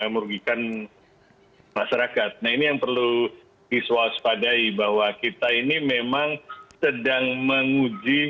merugikan masyarakat nah ini yang perlu diswaspadai bahwa kita ini memang sedang menguji